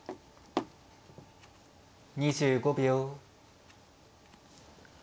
２５秒。